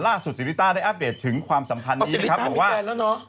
ล่าสุดศรีริต้าได้อัปเดตถึงความสำคัญศรีริต้ามีแฟนแล้วเนอะ